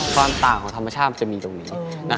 ความต่างของธรรมชาติมันจะมีตรงนี้